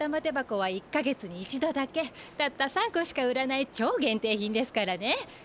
てばこは１か月に一度だけたった３個しか売らない超限定品ですからね。